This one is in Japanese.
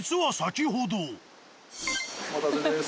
お待たせです。